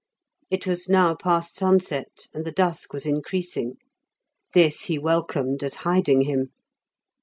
It was now past sunset and the dusk was increasing; this he welcomed as hiding him.